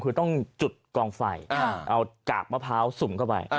คือต้องจุดกองไฟเอากากมะพร้าวสุ่มเข้าไป